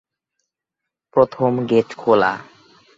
প্রথম গেট খোলা।